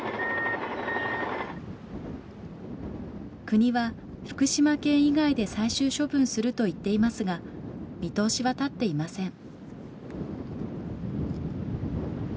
国は福島県以外で最終処分すると言っていますが見通しは立っていません。